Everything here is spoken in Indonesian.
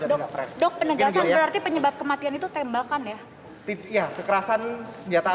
dok dok penegasan berarti penyebab kematian itu tembakan ya